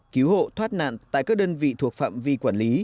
cứu hộ thoát nạn tại các đơn vị thuộc phạm vi quản lý